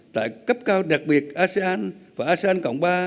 tại cấp cao đặc biệt asean và asean cộng ba